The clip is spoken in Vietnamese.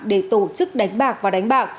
để tổ chức đánh bạc và đánh bạc